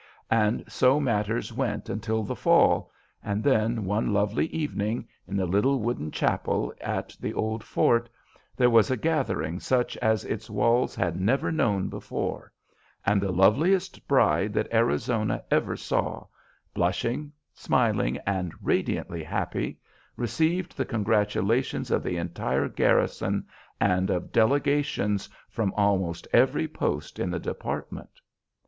And so matters went until the fall, and then, one lovely evening, in the little wooden chapel at the old fort, there was a gathering such as its walls had never known before; and the loveliest bride that Arizona ever saw, blushing, smiling, and radiantly happy, received the congratulations of the entire garrison and of delegations from almost every post in the department.